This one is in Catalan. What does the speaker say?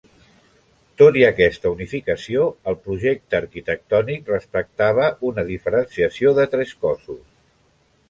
Tot i aquesta unificació, el projecte arquitectònic respectava una diferenciació de tres cóssos.